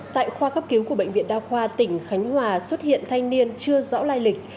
tại khoa cấp cứu của bệnh viện đa khoa tỉnh khánh hòa xuất hiện thanh niên chưa rõ lai lịch